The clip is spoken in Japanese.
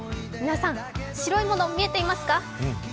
皆さん、白いもの見えていますか？